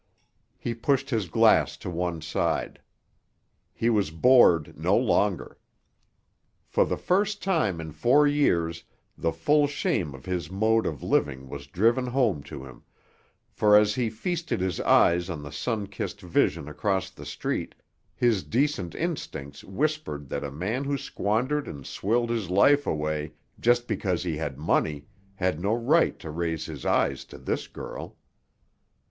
He pushed his glass to one side. He was bored no longer. For the first time in four years the full shame of his mode of living was driven home to him, for as he feasted his eyes on the sun kissed vision across the street his decent instincts whispered that a man who squandered and swilled his life away just because he had money had no right to raise his eyes to this girl.